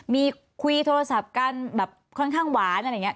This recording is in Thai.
มีคุยโทรศัพท์กันแบบค่อนข้างหวานอะไรอย่างนี้